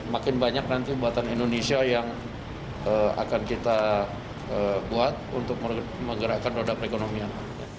makin banyak nanti buatan indonesia yang akan kita buat untuk menggerakkan roda perekonomian